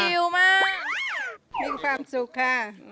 อิวมากมีความสุขค่ะ